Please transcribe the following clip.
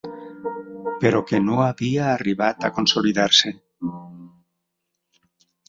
Però que no havia arribat a consolidar-se